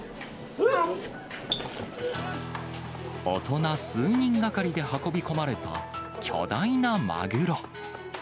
大人数人がかりで運び込まれた巨大なマグロ。